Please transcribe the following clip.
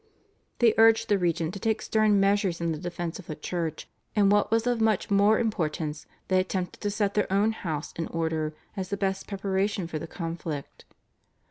They urged the regent to take stern measures in defence of the church, and what was of much more importance they attempted to set their own house in order as the best preparation for the conflict.